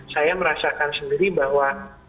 saya merasakan sendiri bahwa